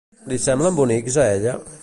Li semblen bonics a ella?